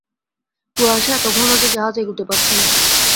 কুয়াশা এত ঘন যে, জাহাজ এগোতে পারছে না।